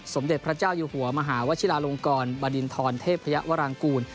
สมเด็จพระเจ้าอยู่หัวมหาวชิลาลงกรบดินทรเทพยวรางกูล